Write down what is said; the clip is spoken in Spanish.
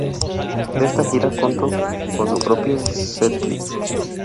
Esta gira contó con su propio setlist.